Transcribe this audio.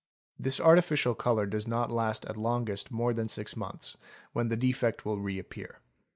This artificial colour does not last at longest more than six months, when the defect will reappear.